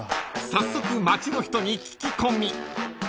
［早速街の人に聞き込み］